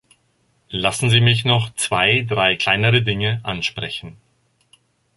Lassen Sie mich noch zwei, drei kleinere Dinge ansprechen.